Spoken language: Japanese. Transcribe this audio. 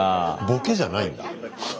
ボケじゃないんだ。